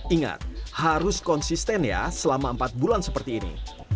ingat harus konsisten ya selama empat bulan seperti ini